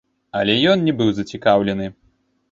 Але ён не быў зацікаўлены.